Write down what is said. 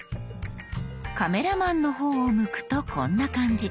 カメラマンの方を向くとこんな感じ。